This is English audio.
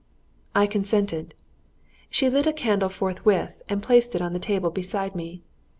I consented. She lit a candle forthwith, and placed it on the table beside me.